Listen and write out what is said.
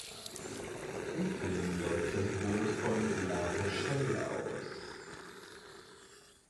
Im Film läuft das Boot von La Rochelle aus.